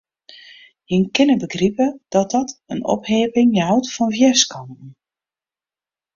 Jim kinne begripe dat dat in opheapping jout fan wjerskanten.